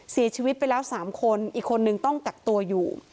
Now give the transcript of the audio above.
เสียชีวิตไปแล้ว๓คนอีกคนนึงต้องกักตัวอยู่